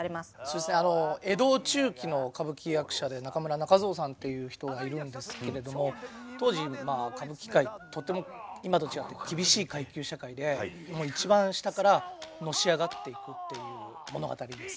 江戸中期の歌舞伎役者で中村仲蔵さんっていう人がいるんですけれども当時歌舞伎界とっても今と違って厳しい階級社会で一番下からのし上がっていくっていう物語です。